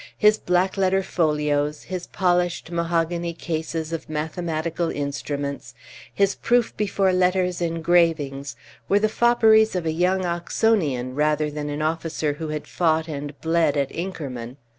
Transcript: His black letter folios, his polished mahogany cases of mathematical instruments, his proof before letters engravings, were the fopperies of a young Oxonian rather than an officer who had fought and bled at Inkermann.